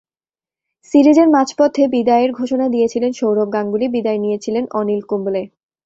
সিরিজের মাঝপথে বিদায়ের ঘোষণা দিয়েছিলেন সৌরভ গাঙ্গুলী, বিদায় নিয়েছিলেন অনিল কুম্বলে।